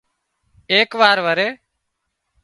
ايڪ وار وري